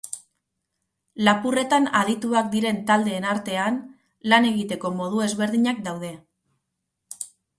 Lapurretan adituak diren taldeen artean, lan egiteko modu ezberdinak daude.